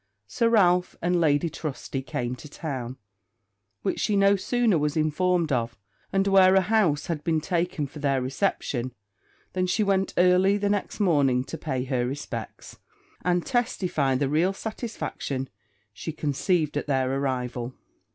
Sir Ralph and Lady Trusty came to town; which she no sooner was informed of, and where a house had been taken for their reception, than she went early the next morning to pay her respects, and testify the real satisfaction she conceived at their arrival.